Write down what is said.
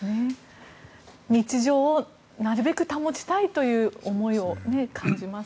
日常をなるべく保ちたいという思いを感じます。